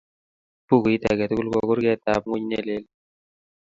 Bukuit age tugul ko kurketap ngony nelel